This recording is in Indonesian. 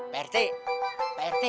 lalu siapa yang menang